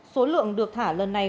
số lượng được thả lần này